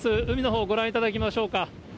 海のほう、ご覧いただきましょうか。